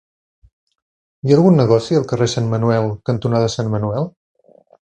Hi ha algun negoci al carrer Sant Manuel cantonada Sant Manuel?